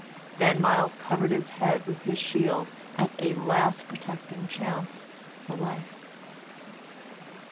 Then Myles covered his head with his shield as a last protecting chance for life.